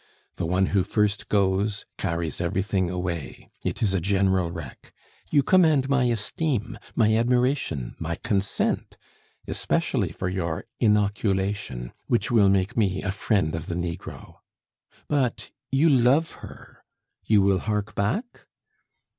The one who first goes, carries everything away; it is a general wreck. You command my esteem, my admiration, my consent, especially for your inoculation, which will make me a Friend of the Negro. But you love her! You will hark back?"